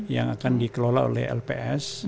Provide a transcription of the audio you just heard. yang akan dikelola oleh lps